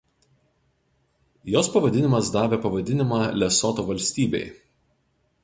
Jos pavadinimas davė pavadinimą Lesoto valstybei.